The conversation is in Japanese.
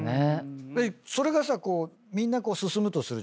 それがさみんな進むとするじゃない。